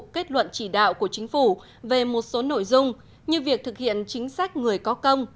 kết luận chỉ đạo của chính phủ về một số nội dung như việc thực hiện chính sách người có công